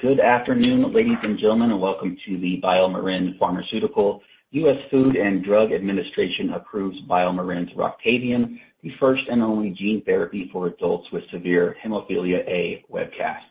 Good afternoon, ladies and gentlemen, welcome to the BioMarin Pharmaceutical. U.S. Food and Drug Administration approves BioMarin's ROCTAVIAN, the first and only gene therapy for adults with severe hemophilia A webcast.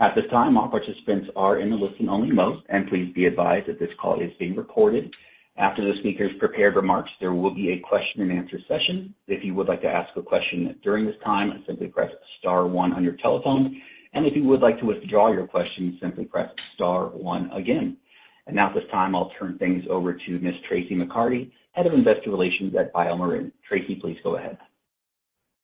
At this time, all participants are in the listen-only mode, please be advised that this call is being recorded. After the speaker's prepared remarks, there will be a question-and-answer session. If you would like to ask a question during this time, simply press star one on your telephone, if you would like to withdraw your question, simply press star one again. Now, at this time, I'll turn things over to Miss Traci McCarty, Head of Investor Relations at BioMarin. Tracy, please go ahead.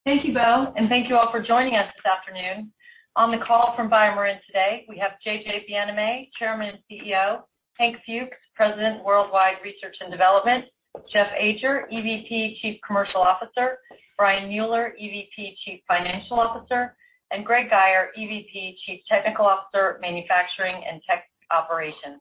Thank you, Beau, and thank you all for joining us this afternoon. On the call from BioMarin today, we have JJ Bienaimé, Chairman and CEO; Hank Fuchs, President, Worldwide Research and Development; Jeff Ajer, EVP, Chief Commercial Officer; Brian Mueller, EVP, Chief Financial Officer; and Greg Guyer, EVP, Chief Technical Officer, Manufacturing and Tech Operations.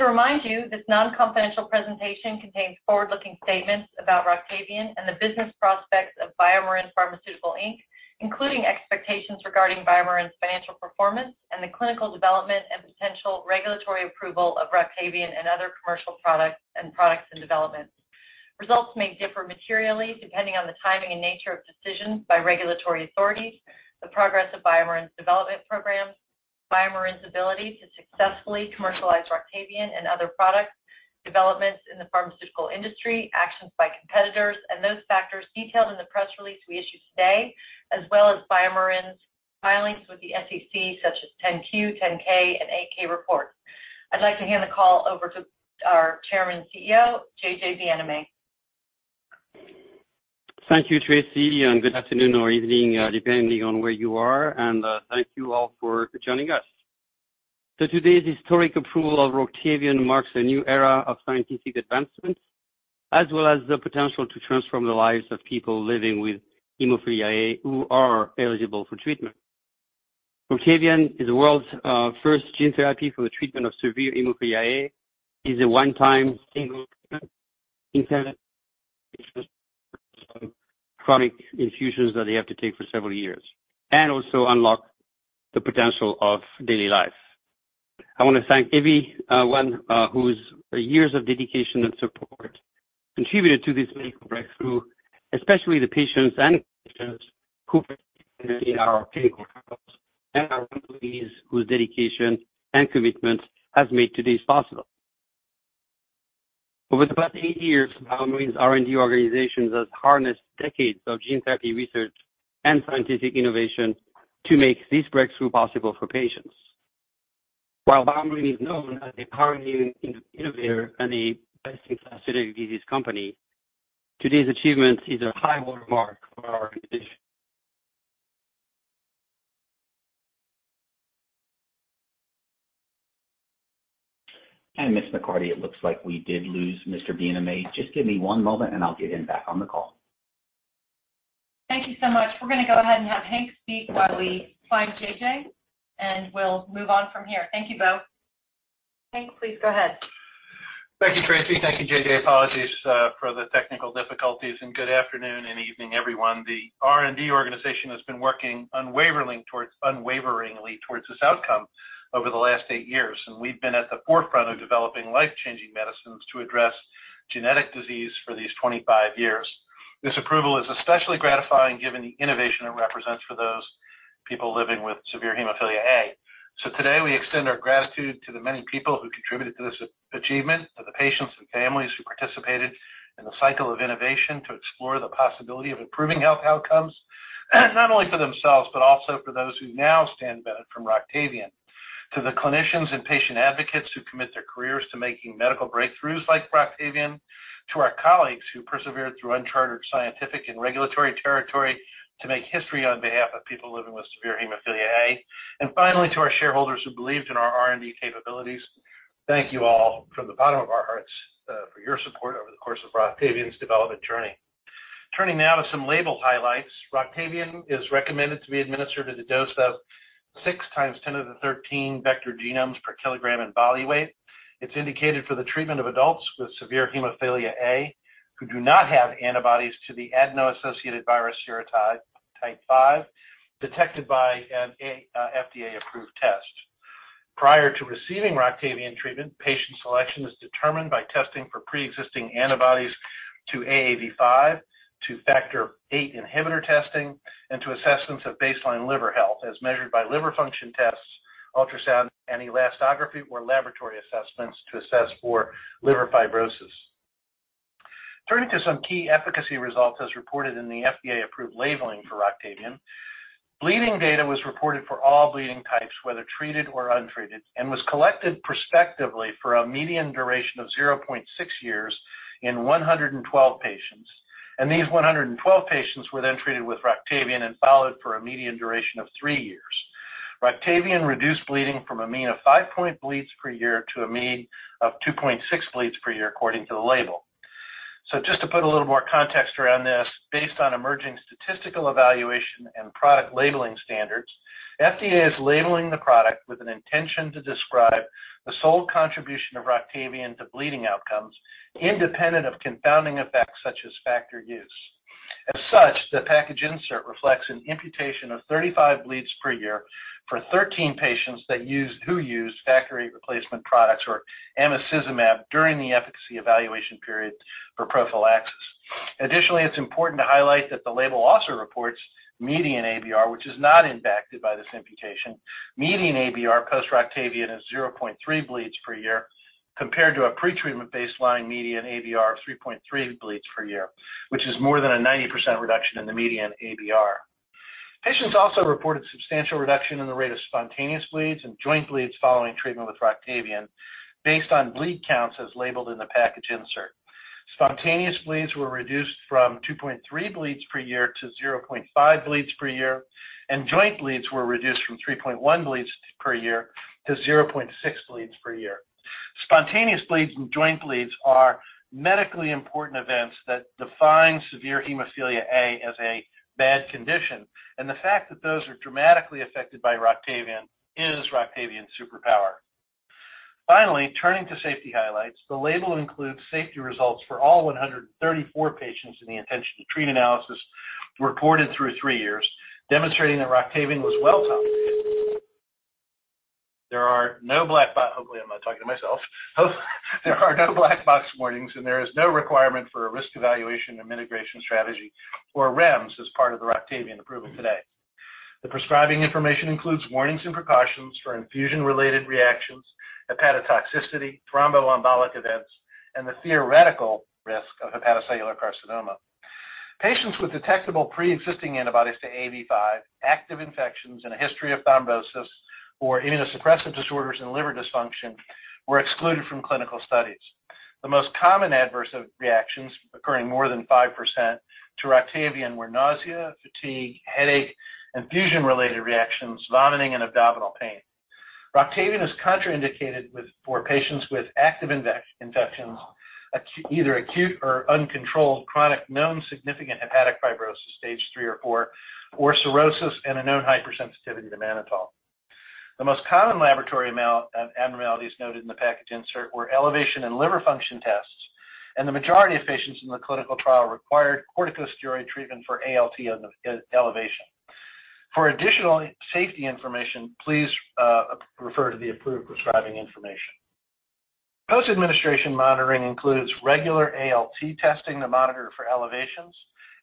To remind you, this non-confidential presentation contains forward-looking statements about ROCTAVIAN and the business prospects of BioMarin Pharmaceutical Inc., including expectations regarding BioMarin's financial performance and the clinical development and potential regulatory approval of ROCTAVIAN and other commercial products and products in development. Results may differ materially, depending on the timing and nature of decisions by regulatory authorities, the progress of BioMarin's development programs, BioMarin's ability to successfully commercialize ROCTAVIAN and other products, developments in the pharmaceutical industry, actions by competitors, and those factors detailed in the press release we issued today, as well as BioMarin's filings with the SEC, such as 10-Q, 10-K, and 8-K reports. I'd like to hand the call over to our Chairman and CEO, JJ Bienaimé. Thank you, Traci, and good afternoon or evening, depending on where you are, and, thank you all for joining us. Today's historic approval of ROCTAVIAN marks a new era of scientific advancement, as well as the potential to transform the lives of people living with hemophilia A who are eligible for treatment. ROCTAVIAN is the world's, first gene therapy for the treatment of severe hemophilia A. It's a one-time, single-treatment intent, chronic infusions that they have to take for several years and also unlock the potential of daily life. I want to thank everyone, whose years of dedication and support contributed to this medical breakthrough, especially the patients and physicians who participate in our clinical trials and our employees, whose dedication and commitment has made today possible. Over the past eight years, BioMarin's R&D organization has harnessed decades of gene therapy research and scientific innovation to make this breakthrough possible for patients. While BioMarin is known as a pioneering innovator and a best-in-class disease company, today's achievement is a high watermark for our organization. Miss McCarty, it looks like we did lose Mr. Bienaimé. Just give me one moment, and I'll get him back on the call. Thank you so much. We're gonna go ahead and have Hank speak while we find JJ, and we'll move on from here. Thank you, Beau. Hank, please go ahead. Thank you, Traci. Thank you, JJ. Apologies for the technical difficulties, good afternoon and evening, everyone. The R&D organization has been working unwaveringly towards this outcome over the last eight years. We've been at the forefront of developing life-changing medicines to address genetic disease for these 25 years. This approval is especially gratifying given the innovation it represents for those people living with severe hemophilia A. Today, we extend our gratitude to the many people who contributed to this achievement, to the patients and families who participated in the cycle of innovation to explore the possibility of improving health outcomes, not only for themselves, but also for those who now stand to benefit from ROCTAVIAN, to the clinicians and patient advocates who commit their careers to making medical breakthroughs like ROCTAVIAN, to our colleagues who persevered through unchartered scientific and regulatory territory to make history on behalf of people living with severe hemophilia A, and finally, to our shareholders who believed in our R&D capabilities. Thank you all from the bottom of our hearts, for your support over the course of ROCTAVIAN's development journey. Turning now to some label highlights. ROCTAVIAN is recommended to be administered at a dose of 6 x 10^13 vector genomes per kilogram in body weight. It's indicated for the treatment of adults with severe hemophilia A, who do not have antibodies to the adeno-associated virus serotype 5, detected by an FDA-approved test. Prior to receiving ROCTAVIAN treatment, patient selection is determined by testing for preexisting antibodies to AAV5, to factor VIII inhibitor testing, and to assessments of baseline liver health, as measured by liver function tests, ultrasound and elastography, or laboratory assessments to assess for liver fibrosis. Some key efficacy results as reported in the FDA-approved labeling for ROCTAVIAN, bleeding data was reported for all bleeding types, whether treated or untreated, and was collected prospectively for a median duration of 0.6 years in 112 patients. These 112 patients were then treated with ROCTAVIAN and followed for a median duration of 3 years. Roctavian reduced bleeding from a mean of 5 bleeds per year to a mean of 2.6 bleeds per year, according to the label. Just to put a little more context around this, based on emerging statistical evaluation and product labeling standards, FDA is labeling the product with an intention to describe the sole contribution of ROCTAVIAN to bleeding outcomes, independent of confounding effects such as factor use. As such, the package insert reflects an imputation of 35 bleeds per year for 13 patients that used, who used factor replacement products or emicizumab during the efficacy evaluation period for prophylaxis. Additionally, it's important to highlight that the label also reports median ABR, which is not impacted by this imputation. Median ABR post-ROCTAVIAN is 0.3 bleeds per year, compared to a pretreatment baseline median ABR of 3.3 bleeds per year, which is more than a 90% reduction in the median ABR. Patients also reported substantial reduction in the rate of spontaneous bleeds and joint bleeds following treatment with ROCTAVIAN, based on bleed counts as labeled in the package insert. Spontaneous bleeds were reduced from 2.3 bleeds per year to 0.5 bleeds per year, and joint bleeds were reduced from 3.1 bleeds per year to 0.6 bleeds per year. Spontaneous bleeds and joint bleeds are medically important events that define severe hemophilia A as a bad condition, and the fact that those are dramatically affected by ROCTAVIAN is ROCTAVIAN's superpower. Turning to safety highlights, the label includes safety results for all 134 patients in the intention-to-treat analysis reported through 3 years, demonstrating that ROCTAVIAN was well-tolerated. There are no black box warnings, and there is no requirement for a risk evaluation and mitigation strategy, or REMS, as part of the ROCTAVIAN approval today. The prescribing information includes warnings and precautions for infusion-related reactions, hepatotoxicity, thromboembolic events, and the theoretical risk of hepatocellular carcinoma. Patients with detectable pre-existing antibodies to AAV5, active infections and a history of thrombosis, or immunosuppressive disorders and liver dysfunction were excluded from clinical studies. The most common adverse of reactions, occurring more than 5% to ROCTAVIAN, were nausea, fatigue, headache, infusion-related reactions, vomiting, and abdominal pain. ROCTAVIAN is contraindicated with, for patients with active index infections, either acute or uncontrolled chronic known significant hepatic fibrosis, stage three or four, or cirrhosis and a known hypersensitivity to mannitol. The most common laboratory abnormalities noted in the package insert were elevation in liver function tests, and the majority of patients in the clinical trial required corticosteroid treatment for ALT on the elevation. For additional safety information, please refer to the approved prescribing information. Post-administration monitoring includes regular ALT testing to monitor for elevations,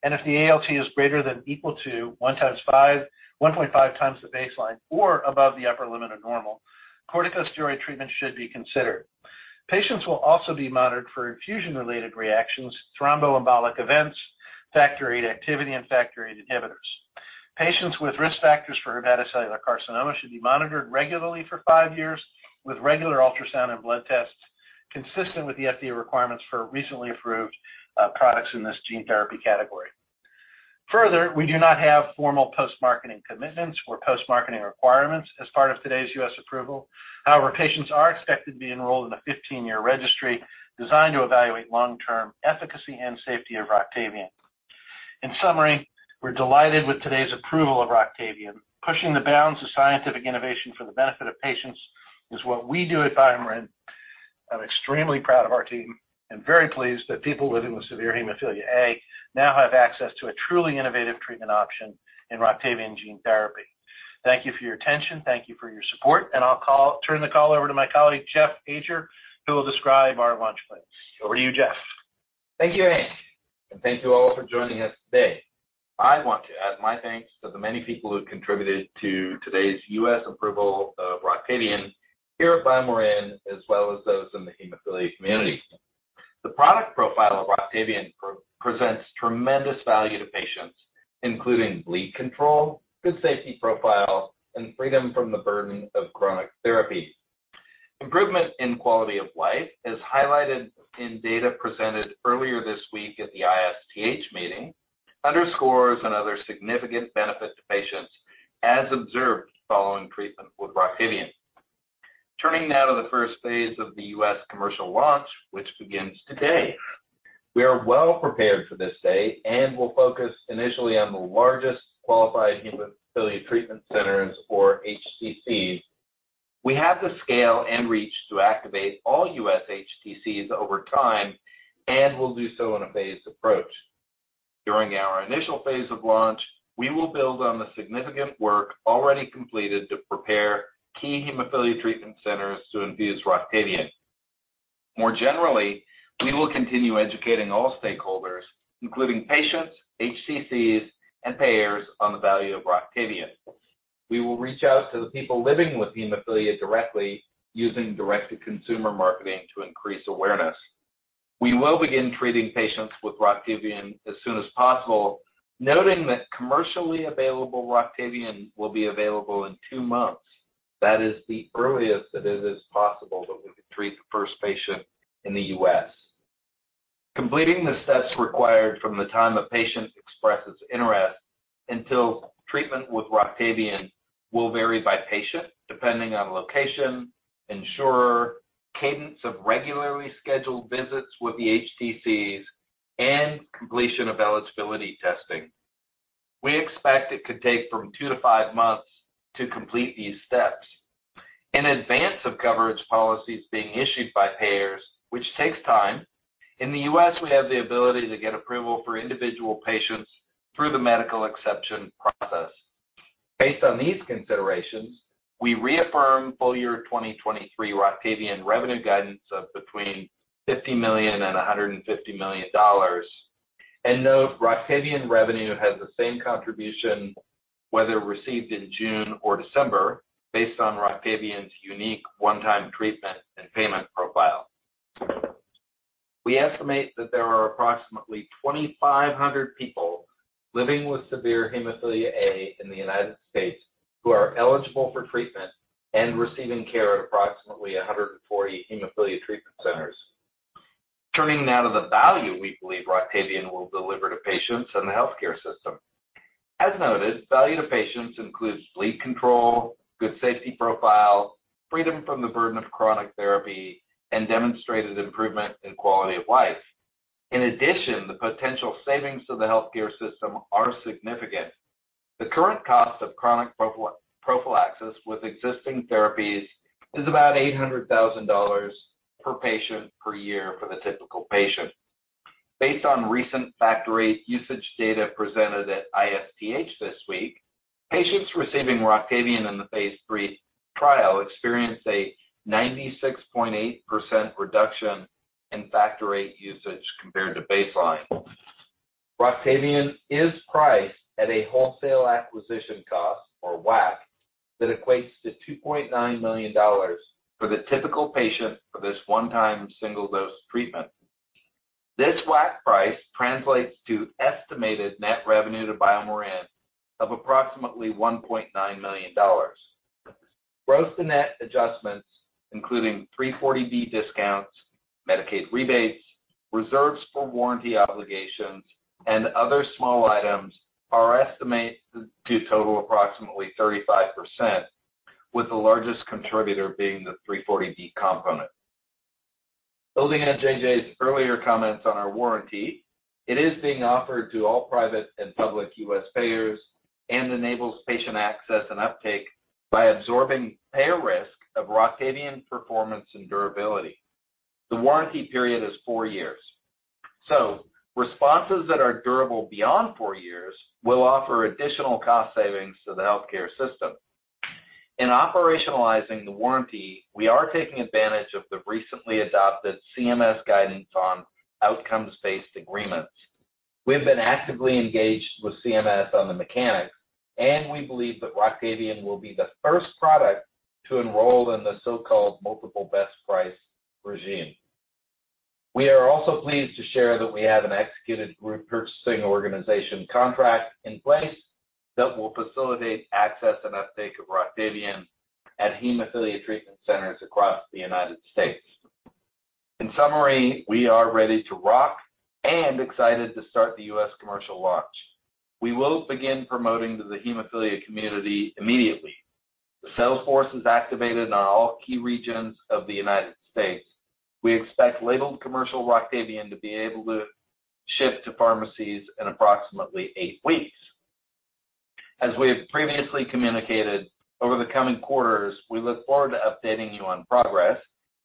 and if the ALT is greater than equal to 1.5 times the baseline or above the upper limit of normal, corticosteroid treatment should be considered. Patients will also be monitored for infusion-related reactions, thromboembolic events, factor VIII activity, and factor VIII inhibitors. Patients with risk factors for hepatocellular carcinoma should be monitored regularly for five years with regular ultrasound and blood tests, consistent with the FDA requirements for recently approved products in this gene therapy category. We do not have formal post-marketing commitments or post-marketing requirements as part of today's U.S. approval. Patients are expected to be enrolled in a 15-year registry designed to evaluate long-term efficacy and safety of ROCTAVIAN. We're delighted with today's approval of ROCTAVIAN. Pushing the bounds of scientific innovation for the benefit of patients is what we do at BioMarin. I'm extremely proud of our team and very pleased that people living with severe hemophilia A now have access to a truly innovative treatment option in ROCTAVIAN gene therapy. Thank you for your attention, thank you for your support, and I'll turn the call over to my colleague, Jeff Ajer, who will describe our launch plans. Over to you, Jeff. Thank you, Hank. Thank you all for joining us today. I want to add my thanks to the many people who contributed to today's U.S. approval of ROCTAVIAN here at BioMarin, as well as those in the hemophilia community. The product profile of ROCTAVIAN pre-presents tremendous value to patients, including bleed control, good safety profile, and freedom from the burden of chronic therapy. Improvement in quality of life is highlighted in data presented earlier this week at the ISTH meeting, underscores another significant benefit to patients as observed following treatment with ROCTAVIAN. Turning now to the first phase of the U.S. commercial launch, which begins today. We are well prepared for this day and will focus initially on the largest qualified hemophilia treatment centers, or HTCs. We have the scale and reach to activate all U.S. HTCs over time, and we'll do so in a phased approach. During our initial phase of launch, we will build on the significant work already completed to prepare key Hemophilia Treatment Centers to infuse ROCTAVIAN. More generally, we will continue educating all stakeholders, including patients, HTCs, and payers on the value of ROCTAVIAN. We will reach out to the people living with hemophilia directly using direct-to-consumer marketing to increase awareness. We will begin treating patients with ROCTAVIAN as soon as possible, noting that commercially available ROCTAVIAN will be available in 2 months. That is the earliest that it is possible that we could treat the 1st patient in the U.S. Completing the steps required from the time a patient expresses interest until treatment with ROCTAVIAN will vary by patient, depending on location, insurer, cadence of regularly scheduled visits with the HTCs, and completion of eligibility testing... We expect it could take from 2-5 months to complete these steps. In advance of coverage policies being issued by payers, which takes time, in the U.S., we have the ability to get approval for individual patients through the medical exception process. Based on these considerations, we reaffirm full year 2023 ROCTAVIAN revenue guidance of between $50 million and $150 million, and note ROCTAVIAN revenue has the same contribution, whether received in June or December, based on ROCTAVIAN's unique one-time treatment and payment profile. We estimate that there are approximately 2,500 people living with severe hemophilia A in the United States, who are eligible for treatment and receiving care at approximately 140 hemophilia treatment centers. Turning now to the value we believe ROCTAVIAN will deliver to patients and the healthcare system. As noted, value to patients includes bleed control, good safety profile, freedom from the burden of chronic therapy, and demonstrated improvement in quality of life. In addition, the potential savings to the healthcare system are significant. The current cost of chronic prophylaxis with existing therapies is about $800,000 per patient per year for the typical patient. Based on recent factor usage data presented at ISTH this week, patients receiving ROCTAVIAN in the phase three trial experienced a 96.8% reduction in factor usage compared to baseline. ROCTAVIAN is priced at a wholesale acquisition cost, or WAC, that equates to $2.9 million for the typical patient for this one-time, single-dose treatment. This WAC price translates to estimated net revenue to BioMarin of approximately $1.9 million. Gross to net adjustments, including 340B discounts, Medicaid rebates, reserves for warranty obligations, and other small items, are estimated to total approximately 35%, with the largest contributor being the 340B component. Building on JJ's earlier comments on our warranty, it is being offered to all private and public US payers and enables patient access and uptake by absorbing payer risk of ROCTAVIAN performance and durability. The warranty period is 4 years. Responses that are durable beyond 4 years will offer additional cost savings to the healthcare system. In operationalizing the warranty, we are taking advantage of the recently adopted CMS guidance on outcomes-based agreements. We've been actively engaged with CMS on the mechanics, and we believe that ROCTAVIAN will be the first product to enroll in the so-called multiple best price regime. We are also pleased to share that we have an executed group purchasing organization contract in place that will facilitate access and uptake of ROCTAVIAN at hemophilia treatment centers across the United States. In summary, we are ready to rock and excited to start the U.S. commercial launch. We will begin promoting to the hemophilia community immediately. The sales force is activated in all key regions of the United States. We expect labeled commercial ROCTAVIAN to be able to ship to pharmacies in approximately eight weeks. As we have previously communicated, over the coming quarters, we look forward to updating you on progress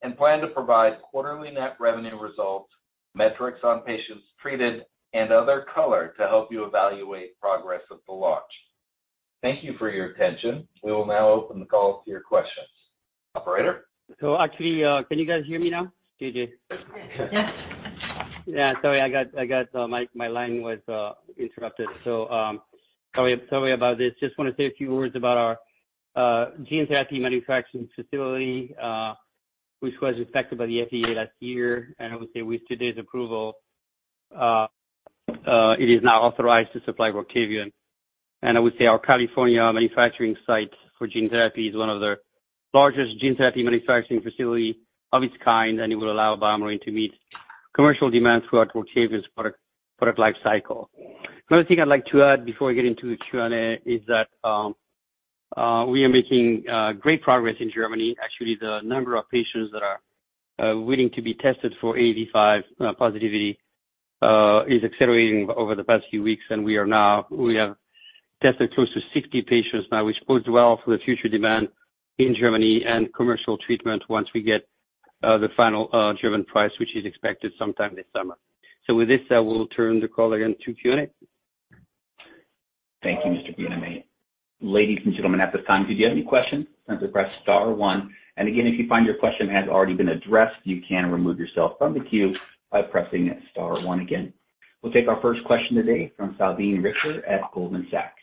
and plan to provide quarterly net revenue results, metrics on patients treated, and other color to help you evaluate progress of the launch. Thank you for your attention. We will now open the call to your questions. Operator? Actually, can you guys hear me now? JJ. Yes. Yeah, sorry, I got my line was interrupted. Sorry about this. Just want to say a few words about our gene therapy manufacturing facility, which was inspected by the FDA last year. I would say with today's approval, it is now authorized to supply ROCTAVIAN. I would say our California manufacturing site for gene therapy is one of the largest gene therapy manufacturing facility of its kind, and it will allow BioMarin to meet commercial demand throughout ROCTAVIAN's product life cycle. Another thing I'd like to add before we get into the Q&A is that we are making great progress in Germany. Actually, the number of patients that are willing to be tested for AAV5 positivity is accelerating over the past few weeks, and we have tested close to 60 patients now, which bodes well for the future demand in Germany and commercial treatment once we get the final German price, which is expected sometime this summer. With this, I will turn the call again to Qinet. Thank you, Mr. Bienaimé. Ladies and gentlemen, at this time, if you have any questions, simply press star one. Again, if you find your question has already been addressed, you can remove yourself from the queue by pressing star one again. We'll take our first question today from Salveen Richter at Goldman Sachs.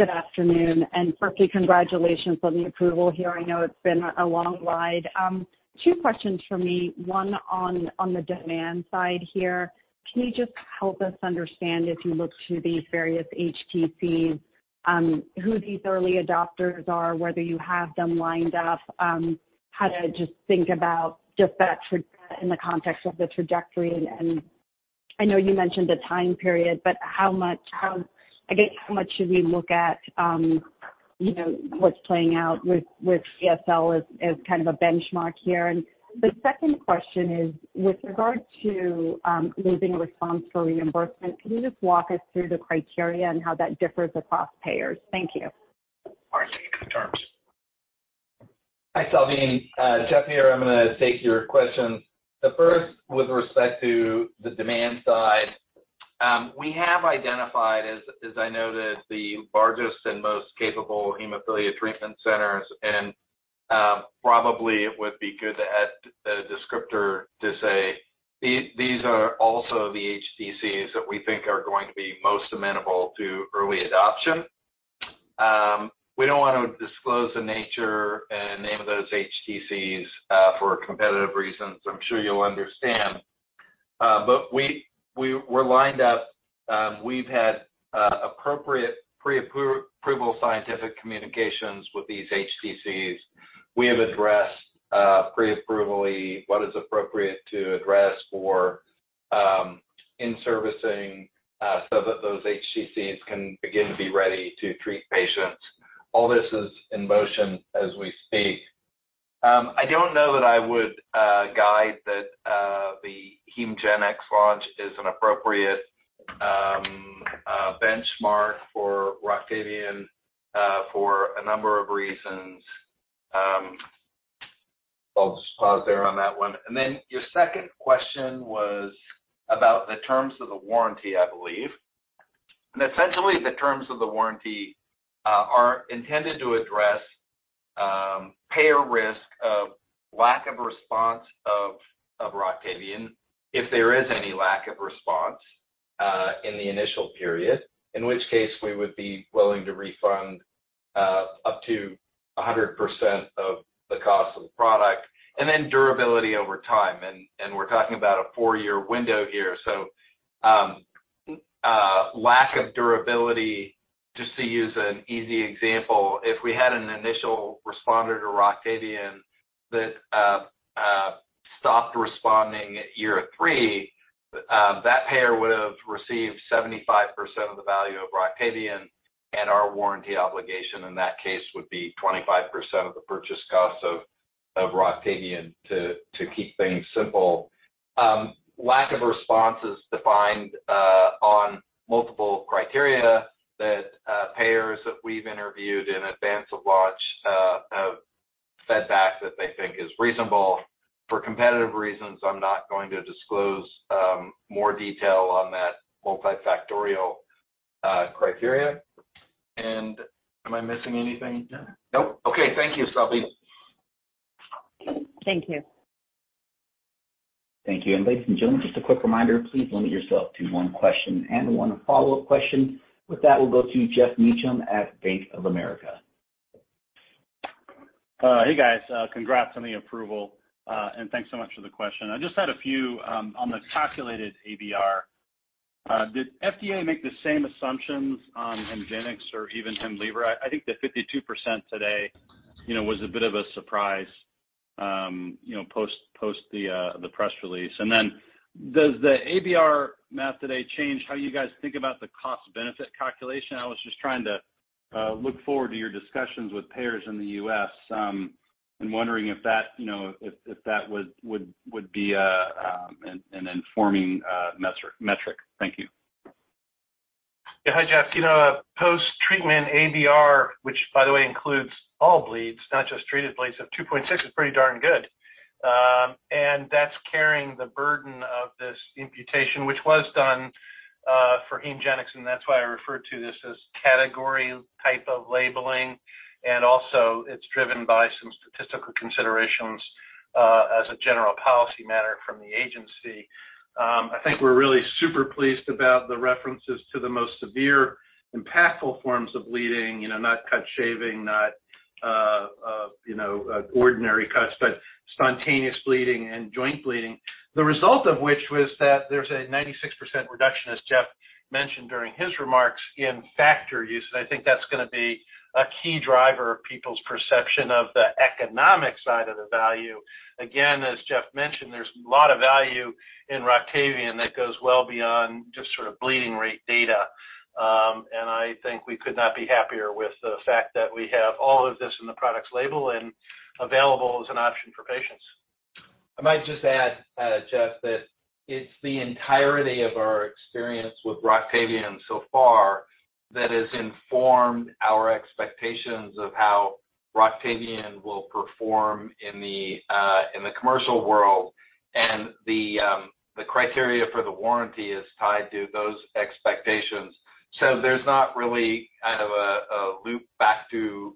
Good afternoon, firstly, congratulations on the approval here. I know it's been a long ride. Two questions for me. One on the demand side here. Can you just help us understand, as you look to these various HTCs, who these early adopters are, whether you have them lined up, how to just think about in the context of the trajectory? I know you mentioned the time period, but how much, I guess, how much should we look at, you know, what's playing out with CSL as kind of a benchmark here? The second question is, with regard to losing a response for reimbursement, can you just walk us through the criteria and how that differs across payers? Thank you. Hi, Salveen. Jeff here. I'm gonna take your questions. The first, with respect to the demand side, we have identified, as I noted, the largest and most capable hemophilia treatment centers, and probably it would be good to add a descriptor to say, these are also the HTCs that we think are going to be most amenable to early adoption. We don't want to disclose the nature and name of those HTCs for competitive reasons. I'm sure you'll understand. We're lined up. We've had appropriate pre-approval scientific communications with these HTCs. We have addressed pre-approvally what is appropriate to address for in-servicing so that those HTCs can begin to be ready to treat patients. All this is in motion as we speak. I don't know that I would guide that the Hemgenix launch is an appropriate benchmark for ROCTAVIAN for a number of reasons. I'll just pause there on that one. Your second question was about the terms of the warranty, I believe. Essentially, the terms of the warranty are intended to address payer risk of lack of response of ROCTAVIAN, if there is any lack of response in the initial period, in which case we would be willing to refund up to 100% of the cost of the product, and then durability over time. We're talking about a 4-year window here, so lack of durability, just to use an easy example, if we had an initial responder to ROCTAVIAN that stopped responding at year 3, that payer would have received 75% of the value of ROCTAVIAN, and our warranty obligation in that case would be 25% of the purchase cost of ROCTAVIAN to keep things simple. Lack of response is defined on multiple criteria that payers that we've interviewed in advance of launch have fed back that they think is reasonable. For competitive reasons, I'm not going to disclose more detail on that multifactorial criteria. Am I missing anything, Hank? Nope. Okay. Thank you, Salveen. Thank you. Thank you. Ladies and gentlemen, just a quick reminder, please limit yourself to one question and one follow-up question. With that, we'll go to Geoff Meacham at Bank of America. Hey, guys, congrats on the approval, and thanks so much for the question. I just had a few on the calculated ABR. Did FDA make the same assumptions on Hemgenix or even Hemlibra? I think the 52% today, you know, was a bit of a surprise, you know, post the press release. Does the ABR math today change how you guys think about the cost-benefit calculation? I was just trying to look forward to your discussions with payers in the U.S., wondering if that, you know, if that would be an informing metric. Thank you. Yeah. Hi, Geoff. You know, post-treatment ABR, which by the way, includes all bleeds, not just treated bleeds, of 2.6, is pretty darn good. That's carrying the burden of this imputation, which was done for Hemgenix, and that's why I referred to this as category type of labeling. Also it's driven by some statistical considerations as a general policy matter from the agency. I think we're really super pleased about the references to the most severe impactful forms of bleeding, you know, not cut shaving, not, you know, ordinary cuts, but spontaneous bleeding and joint bleeding. The result of which was that there's a 96% reduction, as Jeff mentioned during his remarks, in factor use. I think that's gonna be a key driver of people's perception of the economic side of the value. Again as Jeff mentioned, there's a lot of value in ROCTAVIAN that goes well beyond just sort of bleeding rate data. I think we could not be happier with the fact that we have all of this in the product's label and available as an option for patients. I might just add, Geoff, that it's the entirety of our experience with ROCTAVIAN so far that has informed our expectations of how ROCTAVIAN will perform in the commercial world, and the criteria for the warranty is tied to those expectations. There's not really kind of a loop back to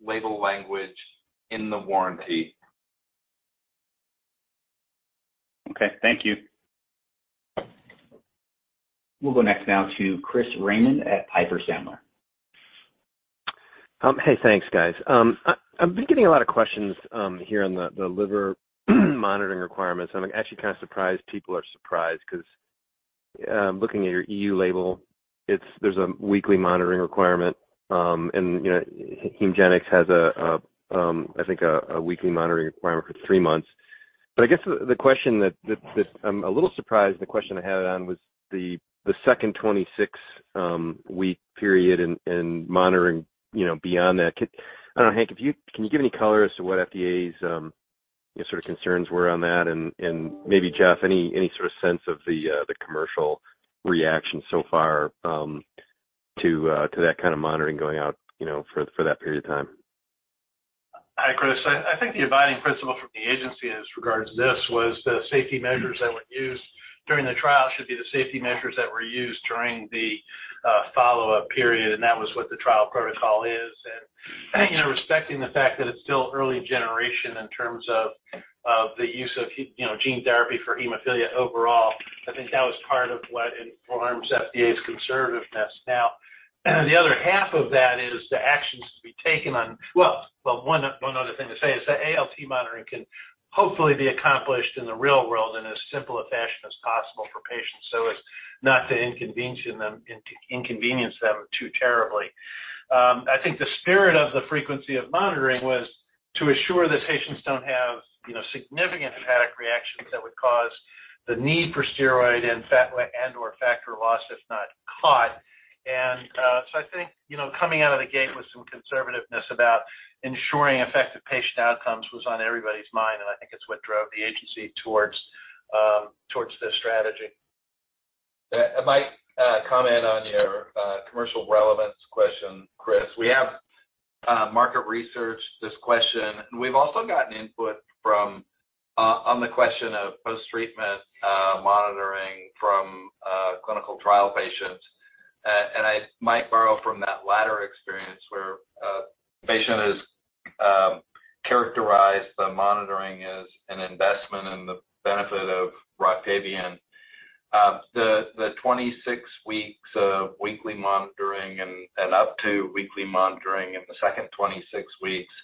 label language in the warranty. Okay. Thank you. We'll go next now to Chris Raymond at Piper Sandler. Hey, thanks, guys. I've been getting a lot of questions, here on the liver monitoring requirements. I'm actually kind of surprised people are surprised, because looking at your EU label, there's a weekly monitoring requirement, and, you know, Hemgenix has a, I think a weekly monitoring requirement for three months. I guess the question that I'm a little surprised, the question I had on was the second 26 week period and monitoring, you know, beyond that. I don't know, Hank, can you give any color as to what FDA's, you know, sort of concerns were on that? Maybe, Jeff, any sort of sense of the commercial reaction so far, to that kind of monitoring going out, you know, for that period of time? Hi, Chris. I think the abiding principle from the agency as regards to this was the safety measures that were used during the trial should be the safety measures that were used during the follow-up period, and that was what the trial protocol is. You know, respecting the fact that it's still early generation in terms of the use of, you know, gene therapy for hemophilia overall, I think that was part of what informs FDA's conservativeness. The other half of that is the actions to be taken on... Well, one other thing to say is that ALT monitoring can hopefully be accomplished in the real world in as simple a fashion as possible for patients, so as not to inconvenience them too terribly. I think the spirit of the frequency of monitoring was to assure that patients don't have, you know, significant hepatic reactions that would cause the need for steroid and factor, and/or factor loss, if not caught. I think, you know, coming out of the gate with some conservativeness about ensuring effective patient outcomes was on everybody's mind, and I think it's what drove the agency towards this strategy. I might comment on your commercial relevance question, Chris. We have market researched this question, and we've also gotten input from on the question of post-treatment monitoring from clinical trial patients. I might borrow from that latter experience where patient is characterized the monitoring as an investment in the benefit of ROCTAVIAN. The 26 weeks of weekly monitoring and up to weekly monitoring in the second 26 weeks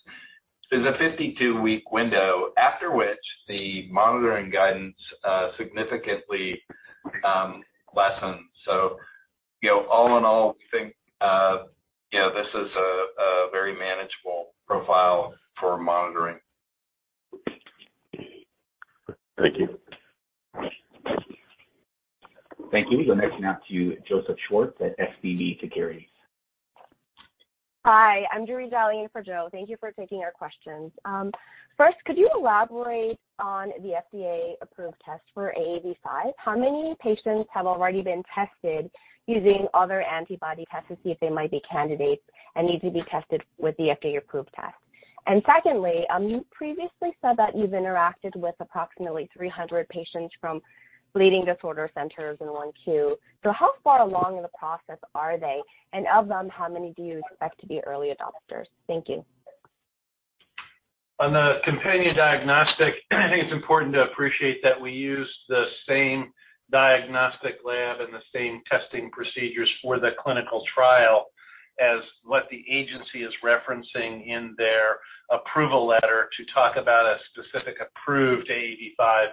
is a 52-week window, after which the monitoring guidance significantly lessens. You know, all in all, I think, you know, this is a very manageable profile for monitoring. Thank you. Thank you. We'll next now to you, Joseph Schwartz at SVB Securities. Hi, I'm Julie dialing in for Joe. Thank you for taking our questions. First, could you elaborate on the FDA-approved test for AAV5? How many patients have already been tested using other antibody tests to see if they might be candidates and need to be tested with the FDA-approved test? Secondly, you previously said that you've interacted with approximately 300 patients from bleeding disorder centers in 1Q. How far along in the process are they? Of them, how many do you expect to be early adopters? Thank you. On the companion diagnostic, I think it's important to appreciate that we use the same diagnostic lab and the same testing procedures for the clinical trial as what the agency is referencing in their approval letter to talk about a specific approved AAV5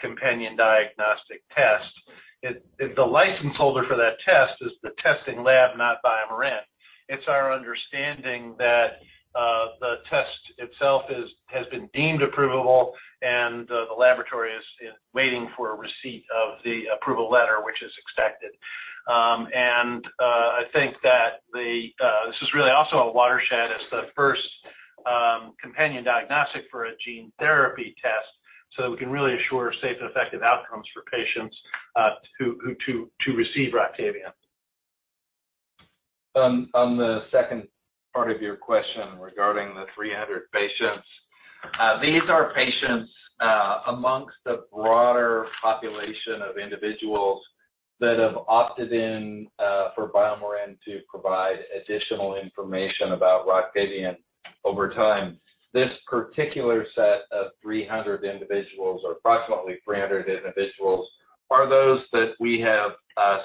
companion diagnostic test. The license holder for that test is the testing lab, not BioMarin. It's our understanding that the test itself has been deemed approvable, and the laboratory is waiting for a receipt of the approval letter, which is expected. I think that this is really also a watershed. It's the first companion diagnostic for a gene therapy test, so we can really assure safe and effective outcomes for patients who to receive ROCTAVIAN. On the second part of your question regarding the 300 patients. These are patients amongst the broader population of individuals that have opted in for BioMarin to provide additional information about ROCTAVIAN over time. This particular set of 300 individuals, or approximately 300 individuals, are those that we have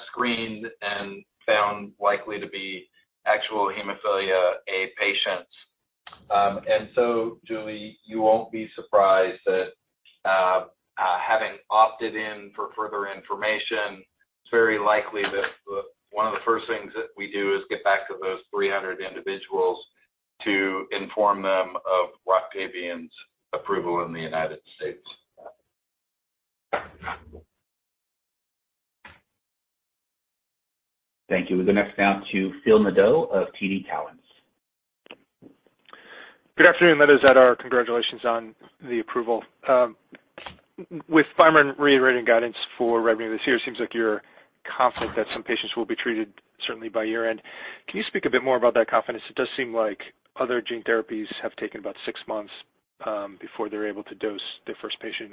screened and found likely to be actual hemophilia A patients. Julie, you won't be surprised that having opted in for further information, it's very likely that one of the first things that we do is get back to those 300 individuals to inform them of ROCTAVIAN's approval in the United States. Thank you. We'll go next now to Phil Nadeau of TD Cowen. Good afternoon, ladies. That our congratulations on the approval. With BioMarin reiterating guidance for revenue this year, it seems like you're confident that some patients will be treated certainly by year-end. Can you speak a bit more about that confidence? It does seem like other gene therapies have taken about six months before they're able to dose their first patient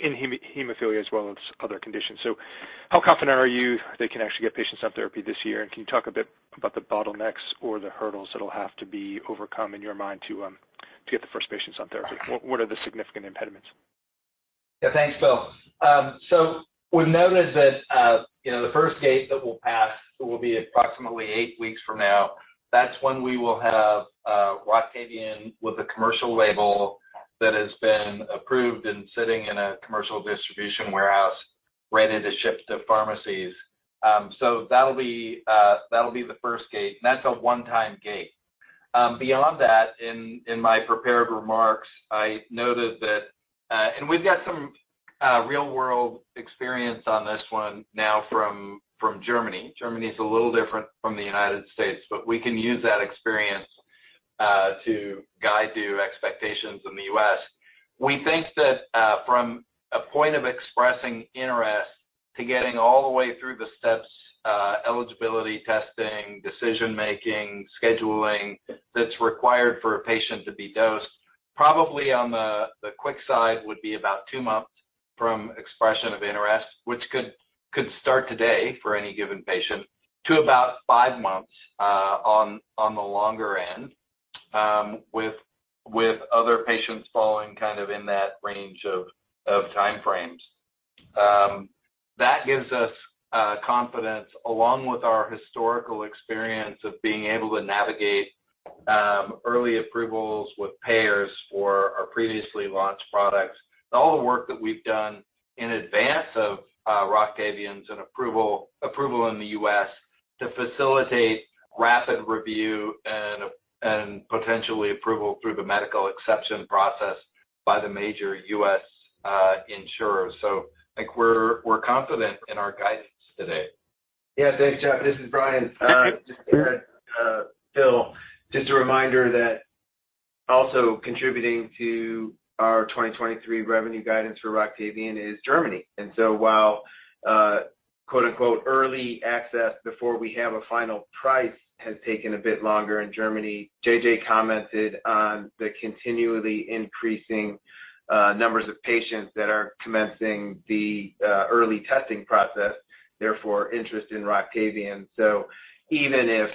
in hemophilia as well as other conditions. How confident are you they can actually get patients on therapy this year? Can you talk a bit about the bottlenecks or the hurdles that will have to be overcome in your mind to get the first patients on therapy? What are the significant impediments? Yeah, thanks, Phil. We've noted that, you know, the first date that we'll pass will be approximately eight weeks from now. That's when we will have ROCTAVIAN with a commercial label that has been approved and sitting in a commercial distribution warehouse....ready to ship to pharmacies. That'll be the first gate, and that's a one-time gate. Beyond that, in my prepared remarks, I noted that, we've got some real-world experience on this one now from Germany. Germany is a little different from the United States, but we can use that experience to guide you expectations in the U.S. We think that, from a point of expressing interest to getting all the way through the steps, eligibility, testing, decision-making, scheduling, that's required for a patient to be dosed, probably on the quick side, would be about 2 months from expression of interest, which could start today for any given patient, to about 5 months on the longer end, with other patients falling kind of in that range of time frames. That gives us confidence, along with our historical experience of being able to navigate early approvals with payers for our previously launched products, and all the work that we've done in advance of ROCTAVIAN's approval in the U.S. to facilitate rapid review and potentially approval through the medical exception process by the major U.S. insurers. I think we're confident in our guidance today. Yeah. Thanks, Jeff. This is Brian. Just, Phil, just a reminder that also contributing to our 2023 revenue guidance for ROCTAVIAN is Germany. While quote-unquote, "early access" before we have a final price, has taken a bit longer in Germany, JJ commented on the continually increasing numbers of patients that are commencing the early testing process, therefore, interest in ROCTAVIAN. Even if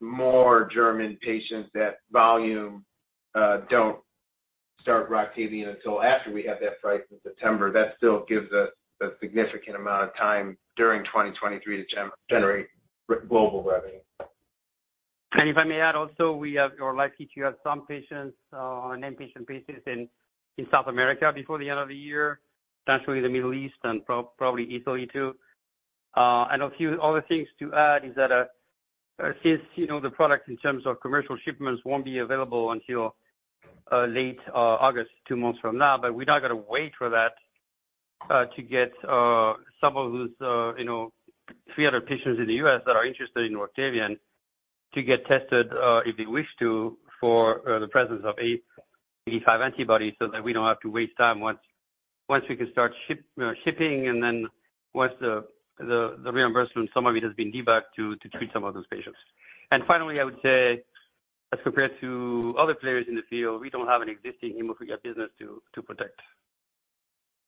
more German patients, that volume, don't start ROCTAVIAN until after we have that price in September, that still gives us a significant amount of time during 2023 to generate global revenue. If I may add also, we have, or likely to have some patients on an inpatient basis in South America before the end of the year, potentially the Middle East and probably Italy, too. A few other things to add is that, since, you know, the product in terms of commercial shipments won't be available until late August, 2 months from now, we're not going to wait for that to get some of those, you know, 300 patients in the U.S. that are interested in ROCTAVIAN to get tested, if they wish to, for the presence of AAV5 antibodies so that we don't have to waste time once we can start shipping, and then once the reimbursement, some of it has been given back to treat some of those patients. Finally, I would say, as compared to other players in the field, we don't have an existing hemophilia business to protect.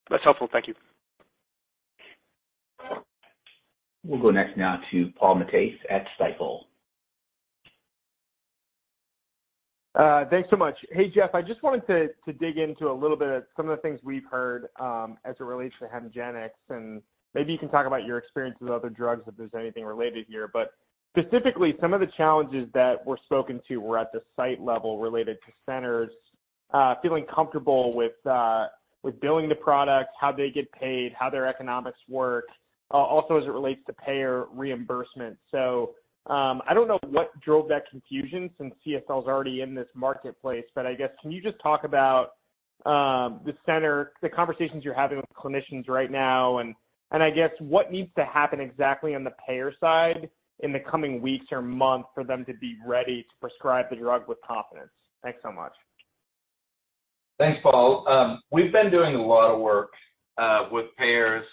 That's helpful. Thank you. We'll go next now to Paul Matteis at Stifel. Thanks so much. Hey, Jeff, I just wanted to dig into a little bit of some of the things we've heard, as it relates to Hemgenix, and maybe you can talk about your experience with other drugs, if there's anything related here. Specifically, some of the challenges that were spoken to were at the site level related to centers, feeling comfortable with billing the products, how they get paid, how their economics work, also as it relates to payer reimbursement. I don't know what drove that confusion since CSL is already in this marketplace, but I guess, can you just talk about the conversations you're having with clinicians right now, and I guess what needs to happen exactly on the payer side in the coming weeks or months for them to be ready to prescribe the drug with confidence? Thanks so much. Thanks, Paul. We've been doing a lot of work with payers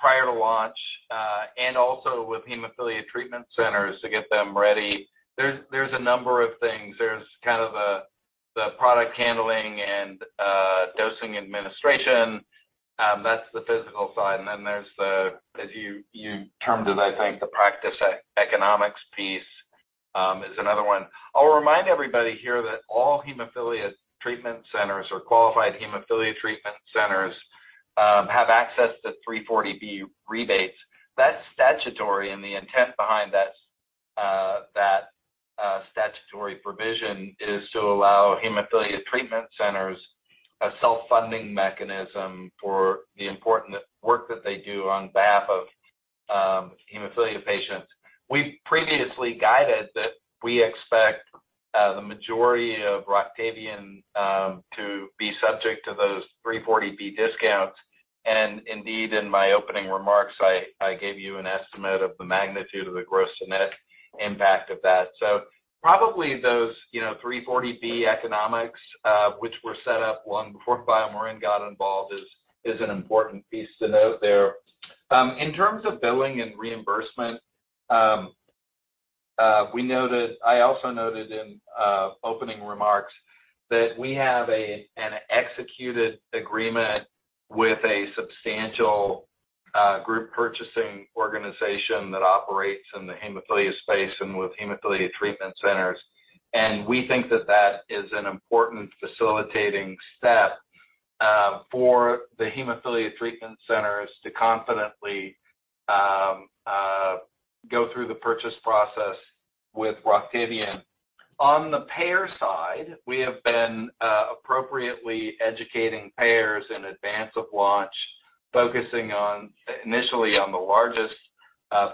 prior to launch and also with Hemophilia Treatment Centers to get them ready. There's a number of things. There's kind of the product handling and dosing administration. That's the physical side. Then there's the, as you termed it, I think, the practice e-economics piece is another one. I'll remind everybody here that all Hemophilia Treatment Centers or qualified Hemophilia Treatment Centers have access to 340B rebates. That's statutory, the intent behind that statutory provision is to allow Hemophilia Treatment Centers a self-funding mechanism for the important work that they do on behalf of hemophilia patients. We previously guided that we expect the majority of ROCTAVIAN to be subject to those 340B discounts, and indeed, in my opening remarks, I gave you an estimate of the magnitude of the gross to net impact of that. Probably those, you know, 340B economics, which were set up long before BioMarin got involved, is an important piece to note there. In terms of billing and reimbursement, I also noted in opening remarks that we have an executed agreement with a substantial group purchasing organization that operates in the hemophilia space and with hemophilia treatment centers. We think that that is an important facilitating step for the hemophilia treatment centers to confidently go through the purchase process with ROCTAVIAN. On the payer side, we have been appropriately educating payers in advance of launch, focusing on, initially on the largest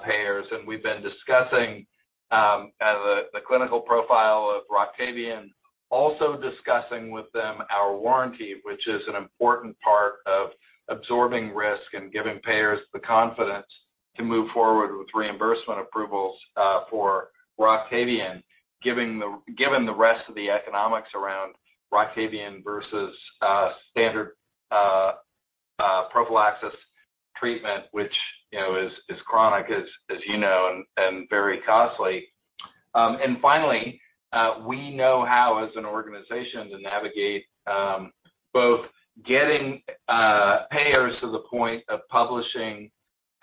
payers. We've been discussing the clinical profile of ROCTAVIAN, also discussing with them our warranty, which is an important part of absorbing risk and giving payers the confidence to move forward with reimbursement approvals for ROCTAVIAN, given the rest of the economics around ROCTAVIAN versus standard prophylaxis treatment, which, you know, is chronic, as you know, and very costly. Finally, we know how, as an organization, to navigate both getting payers to the point of publishing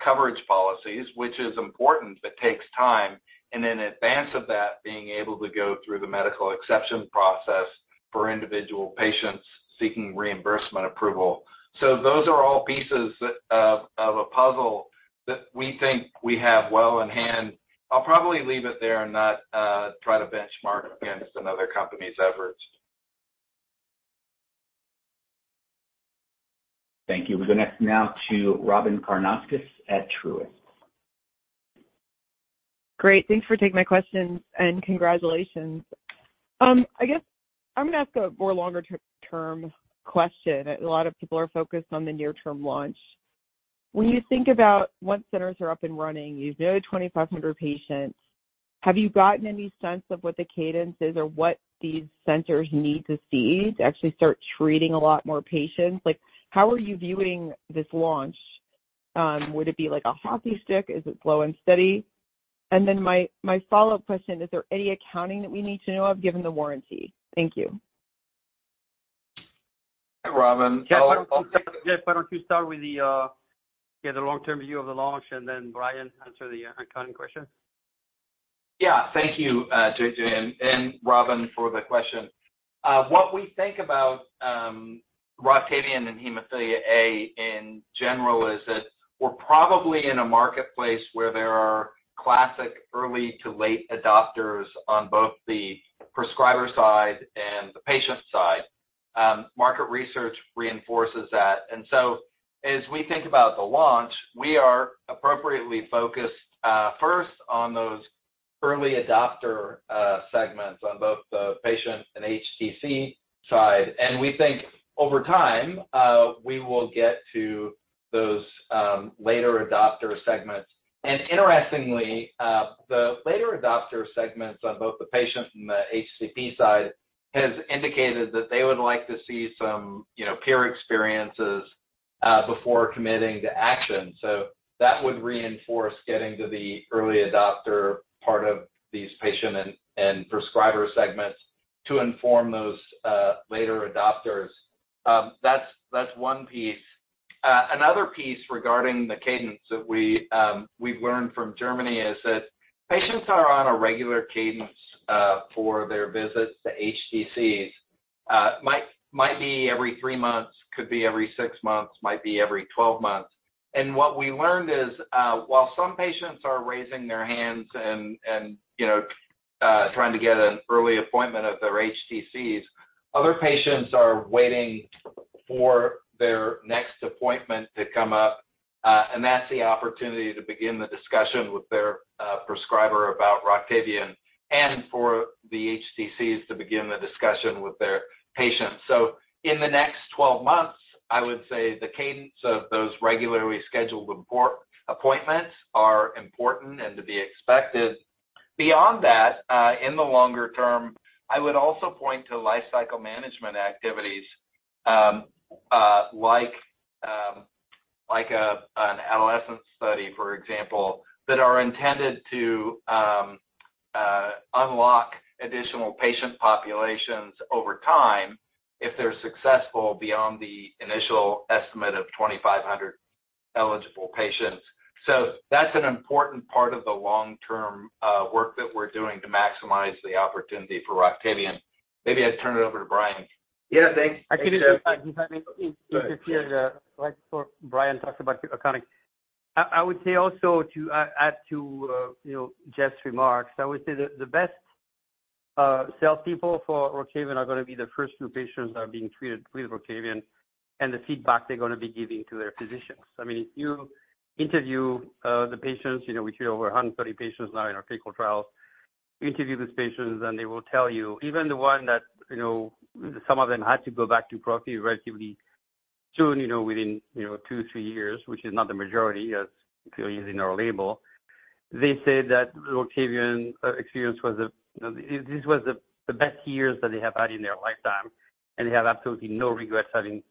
coverage policies, which is important, but takes time, and in advance of that, being able to go through the medical exception process for individual patients seeking reimbursement approval. those are all pieces of a puzzle that we think we have well in hand. I'll probably leave it there and not try to benchmark against another company's efforts. Thank you. We'll go next now to Robyn Karnauskas at Truist. Great. Thanks for taking my questions, and congratulations. I guess I'm going to ask a more longer-term term question. A lot of people are focused on the near-term launch. When you think about once centers are up and running, you know, 2,500 patients, have you gotten any sense of what the cadence is or what these centers need to see to actually start treating a lot more patients? Like, how are you viewing this launch? Would it be like a hockey stick? Is it slow and steady? My follow-up question, is there any accounting that we need to know of, given the warranty? Thank you. Hi, Robyn. Jeff, why don't you start with the long-term view of the launch, and then Brian, answer the accounting question? Yeah. Thank you, JJ and Robyn for the question. What we think about ROCTAVIAN and hemophilia A in general is that we're probably in a marketplace where there are classic early to late adopters on both the prescriber side and the patient side. Market research reinforces that. As we think about the launch, we are appropriately focused, first on those early adopter segments on both the patient and HTCs side. We think over time, we will get to those later adopter segments. Interestingly, the later adopter segments on both the patient and the HCP side, has indicated that they would like to see some, you know, peer experiences before committing to action. That would reinforce getting to the early adopter part of these patient and prescriber segments to inform those later adopters. That's one piece. Another piece regarding the cadence that we've learned from Germany is that patients are on a regular cadence for their visits to HTCs. Might be every 3 months, could be every 6 months, might be every 12 months. What we learned is, while some patients are raising their hands and, you know, trying to get an early appointment at their HTCs, other patients are waiting for their next appointment to come up, and that's the opportunity to begin the discussion with their prescriber about ROCTAVIAN, and for the HTCs to begin the discussion with their patients. In the next 12 months, I would say the cadence of those regularly scheduled appointments are important and to be expected. Beyond that, in the longer term, I would also point to lifecycle management activities, like an adolescent study, for example, that are intended to unlock additional patient populations over time if they're successful beyond the initial estimate of 2,500 eligible patients. That's an important part of the long-term work that we're doing to maximize the opportunity for ROCTAVIAN. Maybe I'd turn it over to Brian. Yeah, thanks. I could just, I mean, if you'd like, for Brian to talk about accounting. I would say also to add to, you know, Jeff's remarks, I would say that the best salespeople for ROCTAVIAN are going to be the first few patients that are being treated with ROCTAVIAN and the feedback they're going to be giving to their physicians. I mean, if you interview the patients, you know, we treat over 130 patients now in our clinical trials. We interview these patients, they will tell you, even the one that, you know, some of them had to go back to Prophy relatively soon, you know, within, 2, 3 years, which is not the majority, as clearly in our label. They said that ROCTAVIAN experience was the best years that they have had in their lifetime, and they have absolutely no regrets having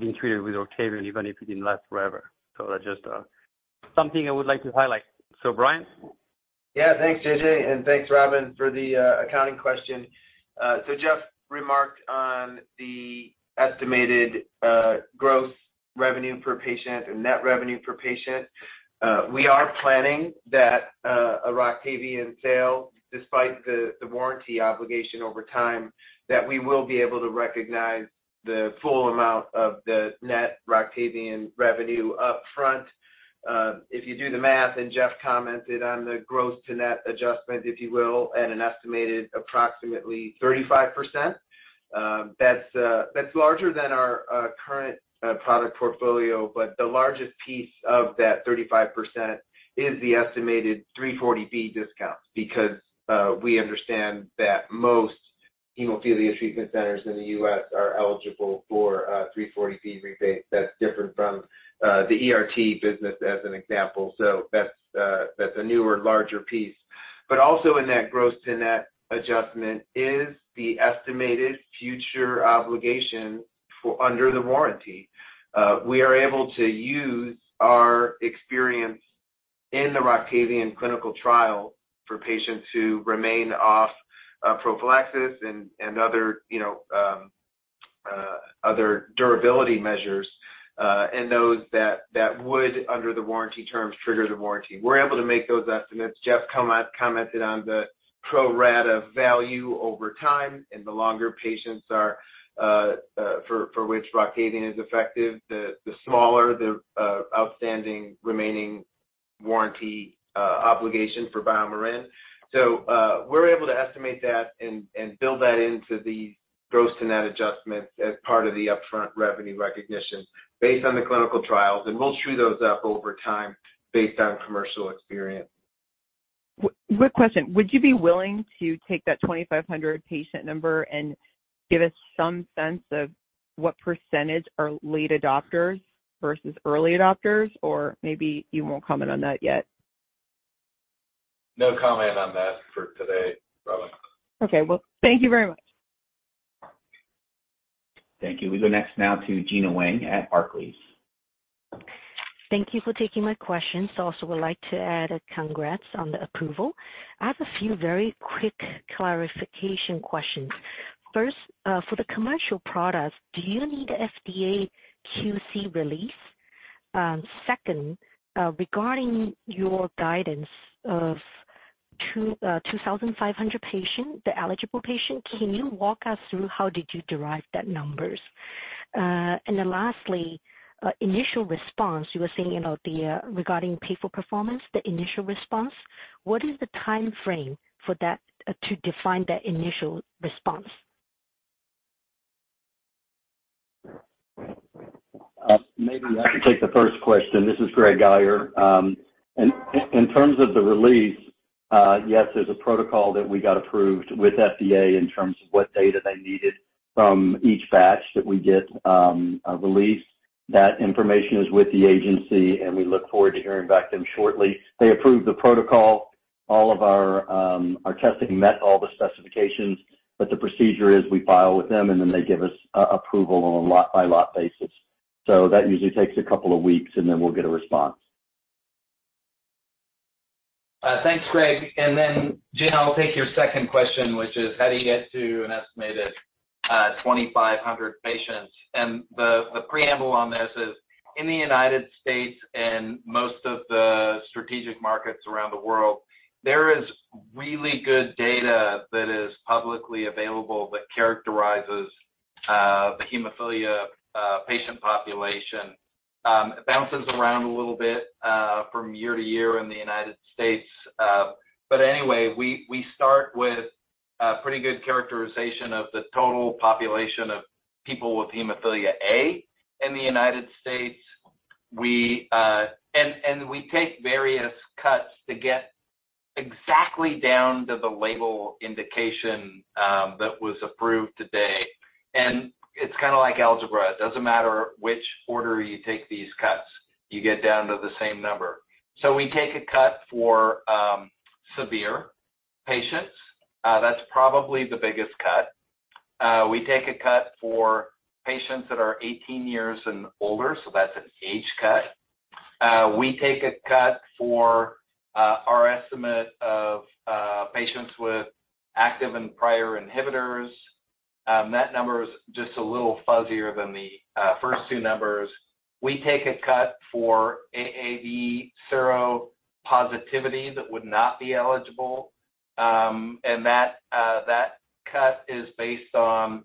being treated with ROCTAVIAN, even if it didn't last forever. That's just something I would like to highlight. Brian? Thanks, J.J., and thanks, Robyn, for the accounting question. Jeff remarked on the estimated growth revenue per patient and net revenue per patient. We are planning that a ROCTAVIAN sale, despite the warranty obligation over time, that we will be able to recognize the full amount of the net ROCTAVIAN revenue upfront... if you do the math, and Jeff commented on the gross to net adjustment, if you will, at an estimated approximately 35%. That's larger than our current product portfolio, but the largest piece of that 35% is the estimated 340B discounts because we understand that most hemophilia treatment centers in the U.S. are eligible for a 340B rebate. That's different from the ERT business, as an example. That's a newer, larger piece. Also in that gross to net adjustment is the estimated future obligation for under the warranty. We are able to use our experience in the ROCTAVIAN clinical trial for patients who remain off prophylaxis and other, you know, other durability measures, and those that would, under the warranty terms, trigger the warranty. We're able to make those estimates. Jeff commented on the pro rata value over time and the longer patients are for which ROCTAVIAN is effective, the smaller the outstanding remaining warranty obligation for BioMarin. We're able to estimate that and build that into the gross to net adjustments as part of the upfront revenue recognition based on the clinical trials, and we'll true those up over time based on commercial experience. Quick question, would you be willing to take that 2,500 patient number and give us some sense of what % are late adopters versus early adopters? Maybe you won't comment on that yet? No comment on that for today, Robyn. Okay. Well, thank you very much. Thank you. We go next now to Gena Wang at Barclays. Thank you for taking my questions. Would like to add a congrats on the approval. I have a few very quick clarification questions. First, for the commercial products, do you need a FDA lot release? Second, regarding your guidance of 2,500 patient, the eligible patient, can you walk us through how did you derive that numbers? Lastly, initial response, you were saying about the regarding pay for performance, the initial response. What is the time frame for that to define that initial response? Maybe I can take the first question. This is Greg Guyer. In terms of the release, yes, there's a protocol that we got approved with FDA in terms of what data they needed from each batch that we get a release. That information is with the agency, and we look forward to hearing back from them shortly. They approved the protocol. All of our testing met all the specifications, but the procedure is we file with them, and then they give us approval on a lot-by-lot basis. That usually takes a couple of weeks, and then we'll get a response. Thanks, Greg. Gena Wang, I'll take your second question, which is: how do you get to an estimated, 2,500 patients? The, the preamble on this is, in the United States and most of the strategic markets around the world, there is really good data that is publicly available that characterizes, the hemophilia, patient population. It bounces around a little bit, from year to year in the United States. Anyway, we start with a pretty good characterization of the total population of people with hemophilia A in the United States. We, and we take various cuts to get exactly down to the label indication, that was approved today. It's kind of like algebra. It doesn't matter which order you take these cuts, you get down to the same number. We take a cut for severe patients. That's probably the biggest cut. We take a cut for patients that are 18 years and older, so that's an age cut. We take a cut for our estimate of patients with active and prior inhibitors. That number is just a little fuzzier than the first two numbers. We take a cut for AAV seropositivity that would not be eligible, and that cut is based on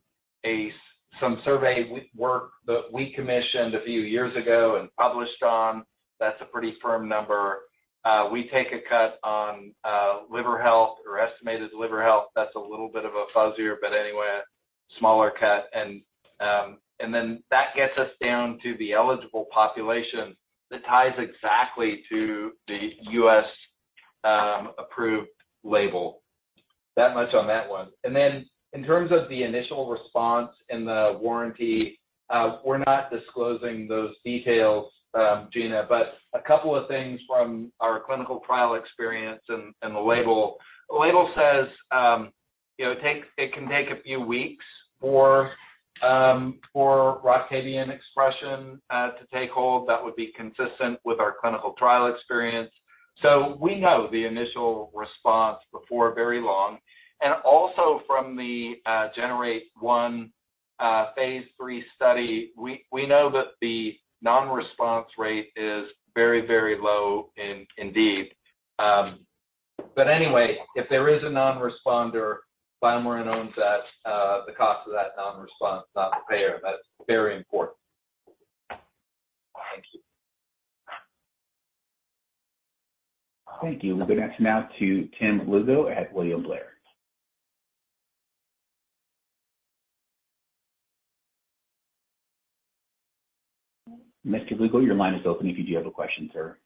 some survey work that we commissioned a few years ago and published on. That's a pretty firm number. We take a cut on liver health or estimated liver health. That's a little bit of a fuzzier, but anyway, a smaller cut. That gets us down to the eligible population that ties exactly to the U.S. approved label. That much on that one. In terms of the initial response and the warranty, we're not disclosing those details, Gena, but a couple of things from our clinical trial experience and the label. The label says, you know, it can take a few weeks for ROCTAVIAN expression to take hold. That would be consistent with our clinical trial experience. We know the initial response before very long. Also from the GENEr8-1 Phase 3 study, we know that the non-response rate is very low indeed. Anyway, if there is a non-responder, BioMarin owns that, the cost of that non-response, not the payer. That's very important. Thank you. Thank you. We'll go next now to Tim Lugo at William Blair. Mr. Lugo, your line is open if you do have a question, sir.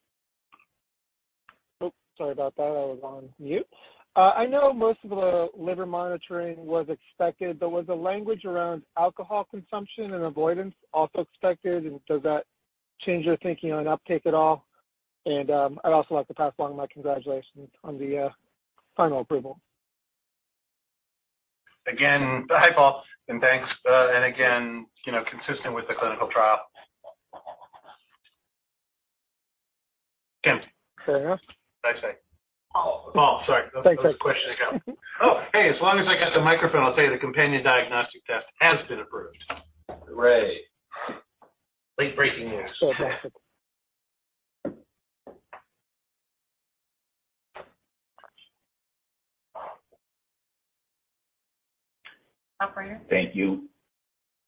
Oh, sorry about that. I was on mute. I know most of the liver monitoring was expected, but was the language around alcohol consumption and avoidance also expected, and does that change your thinking on uptake at all? I'd also like to pass along my congratulations on the final approval. Again, hi, Paul, and thanks. Again, you know, consistent with the clinical trial. Tim? Sure, yeah. What did I say? Oh. Oh, sorry. Thanks. That was a question ago. Oh, hey, as long as I got the microphone, I'll tell you, the companion diagnostic test has been approved. Hooray. Late-breaking news. Fantastic. Operator? Thank you.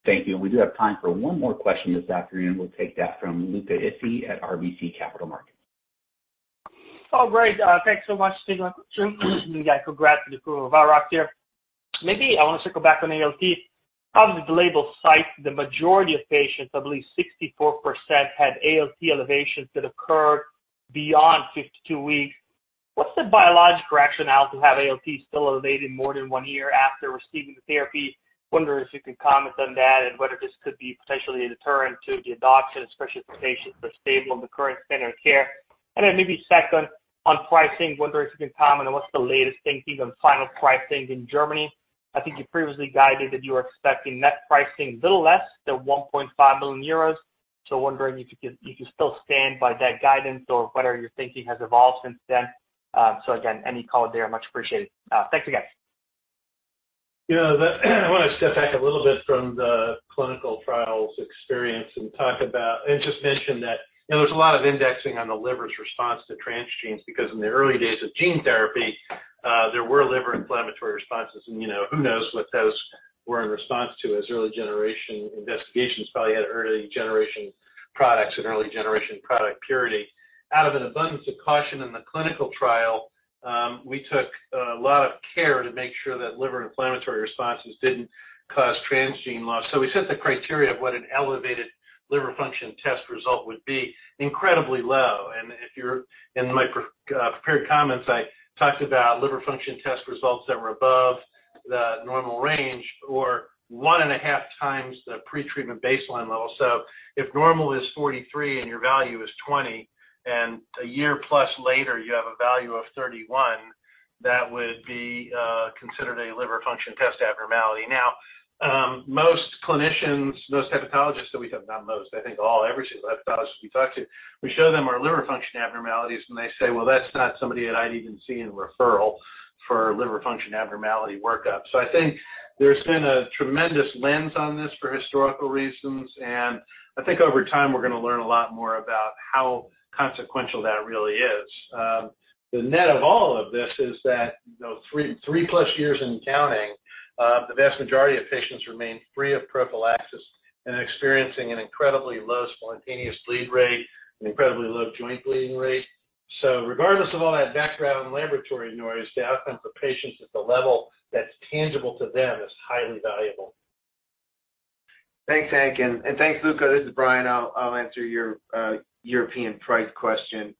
Thank you. We do have time for one more question this afternoon. We'll take that from Luca Issi at RBC Capital Markets. Great. Thanks so much. Again, congrats on the approval of VOXZOGO. Maybe I want to circle back on ALT. How does the label cite the majority of patients, I believe 64%, had ALT elevations that occurred beyond 52 weeks? What's the biological rationale to have ALT still elevated more than 1 year after receiving the therapy? Wondering if you can comment on that and whether this could be potentially a deterrent to the adoption, especially if the patients are stable on the current standard of care. Then maybe second, on pricing, wondering if you can comment on what's the latest thinking on final pricing in Germany. I think you previously guided that you were expecting net pricing a little less than 1.5 million euros. So wondering if you can, if you still stand by that guidance or whether your thinking has evolved since then. again, any call there, much appreciated. thanks again. You know, I want to step back a little bit from the clinical trials experience and talk about, and just mention that, you know, there's a lot of indexing on the liver's response to transgenes, because in the early days of gene therapy, there were liver inflammatory responses, and, you know, who knows what those were in response to as early generation investigations probably had early generation products and early generation product purity. Out of an abundance of caution in the clinical trial, we took a lot of care to make sure that liver inflammatory responses didn't cause transgene loss. We set the criteria of what an elevated liver function test result would be incredibly low. If you're in my prepared comments, I talked about liver function test results that were above the normal range or 1.5 times the pretreatment baseline level. If normal is 43 and your value is 20, and a year plus later, you have a value of 31, that would be considered a liver function test abnormality. Most clinicians, most hepatologists that we have, not most, I think all, every hepatologist we talk to, we show them our liver function abnormalities, and they say, "Well, that's not somebody that I'd even see in referral for liver function abnormality workup." I think there's been a tremendous lens on this for historical reasons, and I think over time, we're going to learn a lot more about how consequential that really is. The net of all of this is that, you know, 3 plus years and counting, the vast majority of patients remain free of prophylaxis and experiencing an incredibly low spontaneous bleed rate, an incredibly low joint bleeding rate. Regardless of all that background laboratory noise, the outcome for patients at the level that's tangible to them is highly valuable. Thanks, Hank, and thanks, Luca. This is Brian. I'll answer your European price question.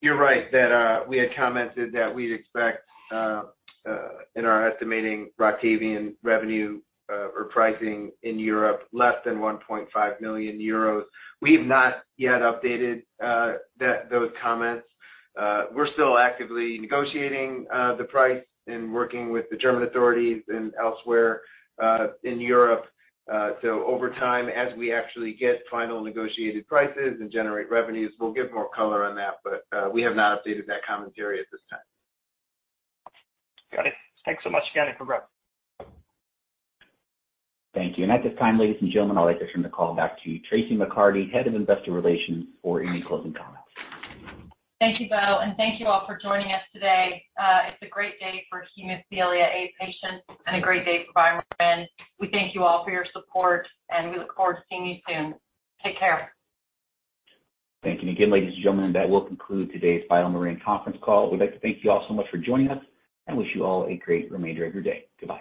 You're right that we had commented that we'd expect in our estimating ROCTAVIAN revenue or pricing in Europe, less than 1.5 million euros. We have not yet updated those comments. We're still actively negotiating the price and working with the German authorities and elsewhere in Europe. Over time, as we actually get final negotiated prices and generate revenues, we'll give more color on that, but we have not updated that commentary at this time. Got it. Thanks so much again, and congrats. Thank you. At this time, ladies and gentlemen, I'd like to turn the call back to Traci McCarty, Head of Investor Relations, for any closing comments. Thank you, Beau, and thank you all for joining us today. It's a great day for hemophilia A patients and a great day for BioMarin. We thank you all for your support, and we look forward to seeing you soon. Take care. Thank you again, ladies and gentlemen, that will conclude today's BioMarin conference call. We'd like to thank you all so much for joining us and wish you all a great remainder of your day. Goodbye.